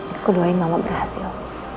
aku doain mama berhasil